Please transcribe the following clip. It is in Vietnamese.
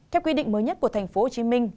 theo quy định mới nhất của tp hcm